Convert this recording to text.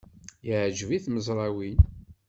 Yeɛjeb i tmezrawin.